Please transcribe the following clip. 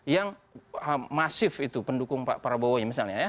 yang masif itu pendukung pak prabowo misalnya ya